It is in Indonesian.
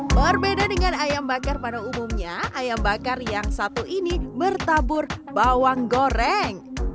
berbeda dengan ayam bakar pada umumnya ayam bakar yang satu ini bertabur bawang goreng